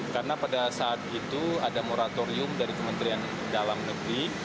karena pada saat itu ada moratorium dari kementerian dalam negeri